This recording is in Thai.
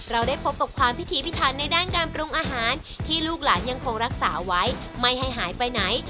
เราได้พบกับความพิธีพิทันในด้านการปรุงอาหารที่ลูกหลานยังคงรักษาไว้ไม่ให้หายไปไหน